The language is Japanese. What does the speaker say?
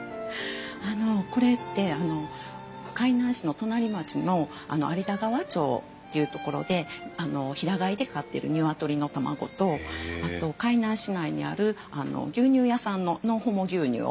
あのこれって海南市の隣町の有田川町っていう所で平飼いで飼ってる鶏の卵とあと海南市内にある牛乳屋さんのノンホモ牛乳を使って作っているんです。